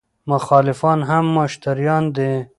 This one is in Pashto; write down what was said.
مخالفان هم مشتریان دي.